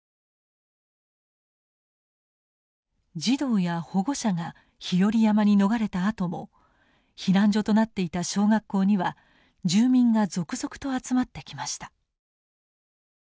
児童や保護者が日和山に逃れたあとも避難所となっていた小学校には住民が続々と集まってきました。